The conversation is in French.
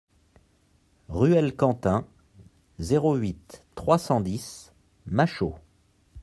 Ruelle Quentin, zéro huit, trois cent dix Machault